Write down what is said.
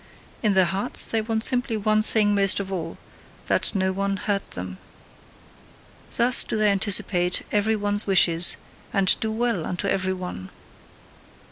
In their hearts they want simply one thing most of all: that no one hurt them. Thus do they anticipate every one's wishes and do well unto every one.